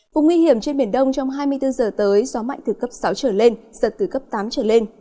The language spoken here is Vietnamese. vùng nguy hiểm trên biển đông trong hai mươi bốn giờ tới gió mạnh từ cấp sáu trở lên giật từ cấp tám trở lên